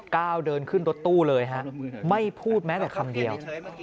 ก้าวเดินขึ้นรถตู้เลยฮะไม่พูดแม้แต่คำเดียว